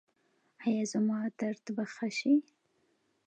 ایا زما درد به ښه شي؟